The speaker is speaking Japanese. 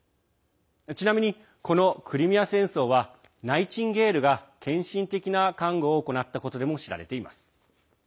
ちなみに、このクリミア戦争はナイチンゲールが献身的な看護を行ったことでも知られています。